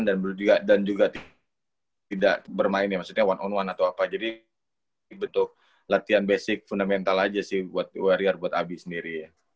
dan juga tidak bermain ya maksudnya one on one atau apa jadi betul latihan basic fundamental aja sih buat warriors buat abi sendiri ya